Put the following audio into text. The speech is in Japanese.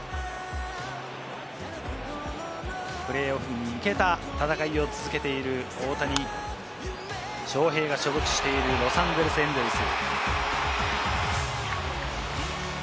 プレーオフに向けた戦いを続けている大谷翔平が所属しているロサンゼルス・エンゼルス。